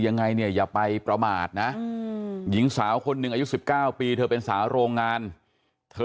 ยังไงเนี่ยอย่าไปประมาทนะหญิงสาวคนหนึ่งอายุ๑๙ปีเธอเป็นสาวโรงงานเธอ